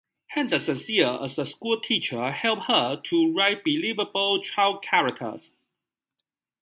Henderson's years as a school teacher helped her to write believable child characters.